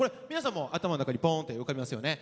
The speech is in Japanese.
もう頭の中にポンって浮かびますよね。